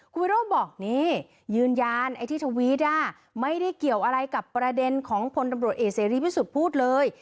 คุณวิโรธบอกนี่ยืนยันไอ้ที่ทวิตไม่ได้เกี่ยวอะไรกับประเด็นของพลตำรวจเอกเสรีพิสุทธิ์พูดเลย